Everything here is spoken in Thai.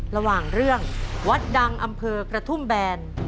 ระหว่างเรื่องวัดดังอำเภอกระทุ่มแบน